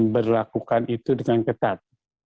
berlakukan itu dengan ketat